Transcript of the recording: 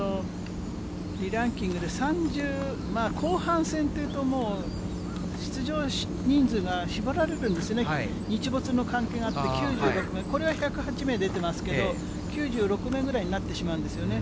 リランキングで３０、後半戦っていうと、もう、出場人数が絞られるんですね、日没の関係があって、９６、これは１０８名出てますけど、９６名ぐらいになってしまうんですよね。